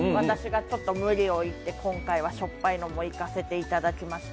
無理を言って今回はしょっぱいのもいかせていただきました。